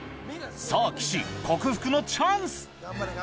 さぁ岸克服のチャンス！